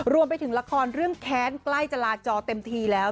รวมไปถึงละครเรื่องแค้นใกล้จะลาจอเต็มทีแล้ว